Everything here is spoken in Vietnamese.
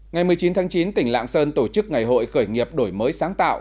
ngày một mươi chín tháng chín tỉnh lạng sơn tổ chức ngày hội khởi nghiệp đổi mới sáng tạo